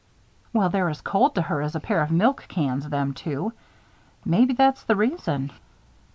"Well, they're as cold to her as a pair of milk cans, them two. Maybe that's the reason."